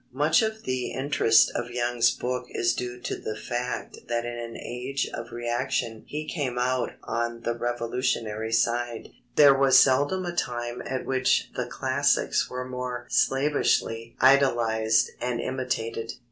Much of the interest of Young's book is due to the fact that in an age of reaction he came out on the revolutionary side. There was seldom a time at which the classics were more slavishly idolized and imitated.